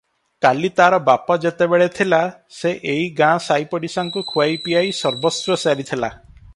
କାଲି ତାର ବାପ ଯେତେବେଳେ ଥିଲା, ସେ ଏଇ ଗାଁ ସାଇପଡ଼ିଶାଙ୍କୁ ଖୁଆଇ ପିଆଇ ସର୍ବସ୍ୱ ସାରିଥିଲା ।